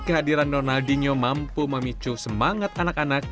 kehadiran ronaldinho mampu memicu semangat anak anak